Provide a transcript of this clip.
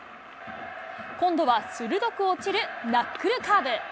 今度は鋭く落ちるナックルカーブ。